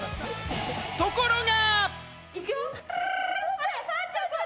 ところが。